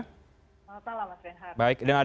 selamat malam pak trian har